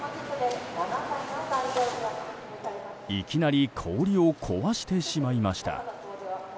いきなり氷を壊してしまいました。